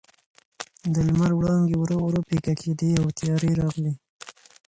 د لمر وړانګې ورو ورو پیکه کېدې او تیارې راغلې.